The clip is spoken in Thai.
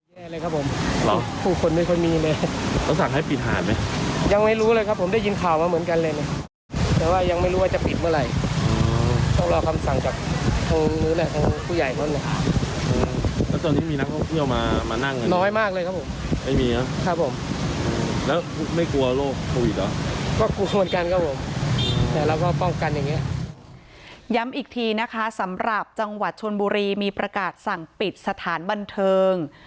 เดี๋ยวเราก็ป้องกันอย่างเงี้ยย้ำอีกทีนะคะสำหรับจังหวัดชวนบุรีมีประกาศสั่งปิดสถานบันเทิง